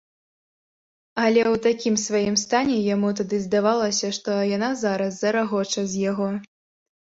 Але ў такім сваім стане яму тады здавалася, што яна зараз зарагоча з яго.